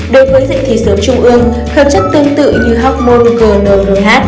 đối với dạy thi sớm trung ương khẩu chất tương tự như hormôn gnrh